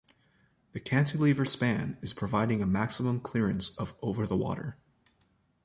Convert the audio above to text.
The cantilever span is providing a maximum clearance of over the water.